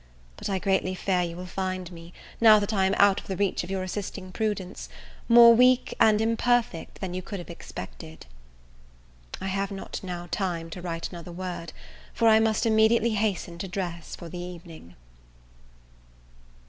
but I greatly fear you will find me, now that I am out of the reach of your assisting prudence, more weak and imperfect than you could have expected. I have not now time to write another word, for I must immediately hasten to dress for the evening.